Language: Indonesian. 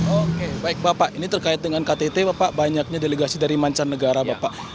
oke baik bapak ini terkait dengan ktt bapak banyaknya delegasi dari mancanegara bapak